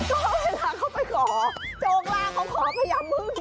ก็เวลาเขาไปขอโจงร่างเขาขอพญาบึ้ง